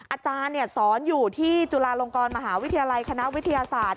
อาจารย์สอนอยู่ที่จุฬาลงกรมหาวิทยาลัยคณะวิทยาศาสตร์